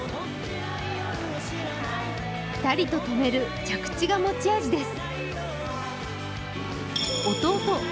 ピタリと止める着地が持ち味です。